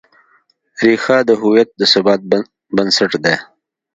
ریښه د هویت د ثبات بنسټ ده.